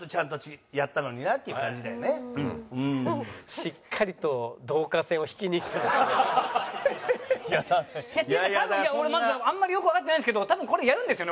しっかりとっていうか多分俺あんまりよくわかってないんですけど多分これやるんですよね？